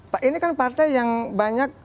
pak ini kan partai yang banyak